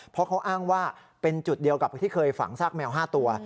เพราะเขาอ้างว่าเป็นจุดเดียวกับที่เคยฝังซากแมว๕ตัว